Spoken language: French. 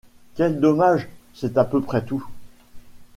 Quel dommage C'est à peu près tout.